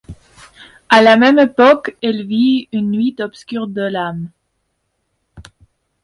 À la même époque, elle vit une nuit obscure de l'âme.